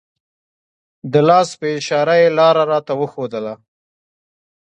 د لاس په اشاره یې لاره راته وښودله.